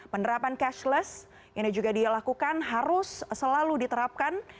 penerapan cashless ini juga dilakukan harus selalu diterapkan